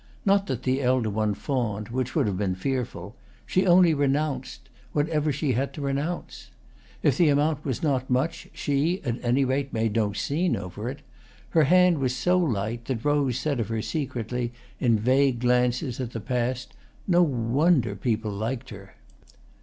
Not that the elder one fawned, which would have been fearful; she only renounced—whatever she had to renounce. If the amount was not much she at any rate made no scene over it. Her hand was so light that Rose said of her secretly, in vague glances at the past, "No wonder people liked her!"